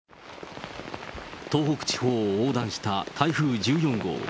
東北地方を横断した台風１４号。